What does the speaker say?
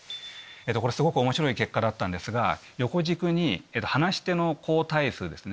これすごく面白い結果だったんですが横軸に話し手の交代数ですね。